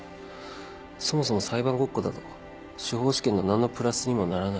そもそも裁判ごっこなど司法試験には何のプラスにもならない。